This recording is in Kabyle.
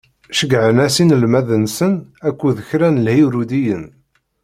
Ceggɛen-as inelmaden-nsen akked kra n Ihiṛudiyen.